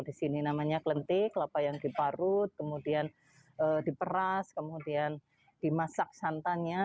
di sini namanya klentik kelapa yang diparut kemudian diperas kemudian dimasak santannya